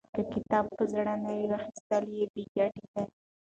که کتاب په زړه نه وي، واخستل یې بې ګټې دی.